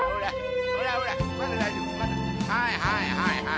はいはいはいはい。